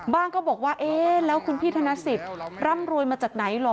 ก็บอกว่าเอ๊ะแล้วคุณพี่ธนสิทธิ์ร่ำรวยมาจากไหนเหรอ